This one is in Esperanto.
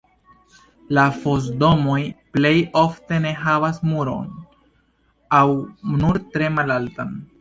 La fos-domoj plej ofte ne havas muron aŭ nur tre malaltan.